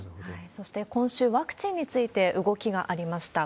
そして、今週、ワクチンについて動きがありました。